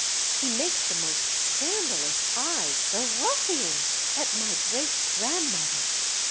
"He makes the most scandalous eyes—the ruffian!—at my great grandmother."